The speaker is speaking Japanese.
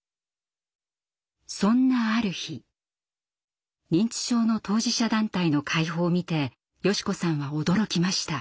そんなある日認知症の当事者団体の会報を見て佳子さんは驚きました。